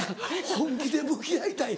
本気で向き合いたい